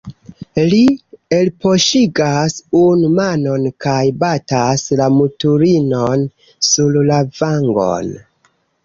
Li elpoŝigas unu manon kaj batas la mutulinon sur la vangon.